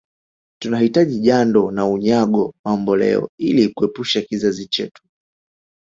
Tunahitaji Jando na Unyago mamboleo Ili kuepusha kizazi chetu